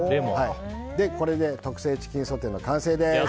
これで特製チキンソテーの完成です。